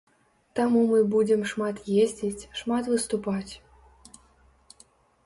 Таму мы будзем шмат ездзіць, шмат выступаць.